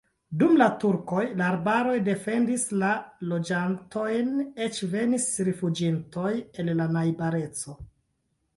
Dum la turkoj la arbaroj defendis la loĝantojn, eĉ venis rifuĝintoj el la najbareco.